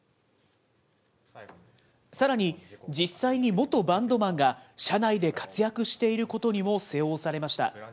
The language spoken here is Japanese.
さらに、実際に元バンドマンが社内で活躍していることにも背を押されました。